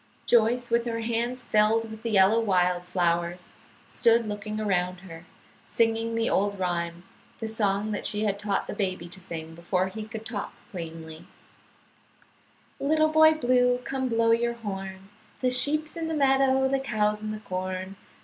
Joyce, with her hands filled with the yellow wild flowers, stood looking around her, singing the old rhyme, the song that she had taught the baby to sing before he could talk plainly: "Little Boy Blue, come blow your horn, The sheep's in the meadow, the cow's in the corn.